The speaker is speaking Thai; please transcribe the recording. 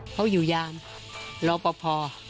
เขาอยู่ยามรอปภ